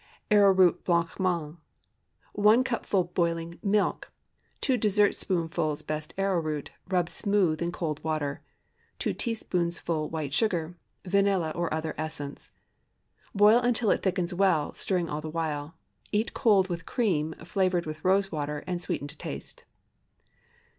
ARROWROOT BLANC MANGE. ✠ 1 cupful boiling milk. 2 dessertspoonfuls best arrowroot, rubbed smooth in cold water. 2 teaspoonfuls white sugar. Vanilla or other essence. Boil until it thickens well, stirring all the while. Eat cold with cream, flavored with rose water, and sweetened to taste.